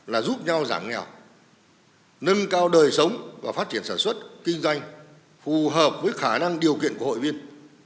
là giúp nhau giảm nghèo nâng cao đời sống và phát triển sản xuất kinh doanh phù hợp với khả năng điều kiện của hội viên